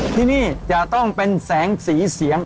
ที่นี่จะต้องเป็นแสงสีเสียง